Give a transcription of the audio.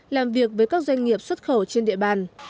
làm việc với các doanh nghiệp xuất khẩu